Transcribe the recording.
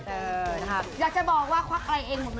เอออยากจะบอกว่าควักอะไรเองผมเลยนะ